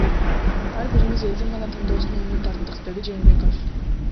Ар бирибиз элдин гана тандоосуна үмүт арттык, — деди Жээнбеков.